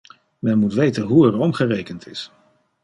Men moet weten hoe er omgerekend is.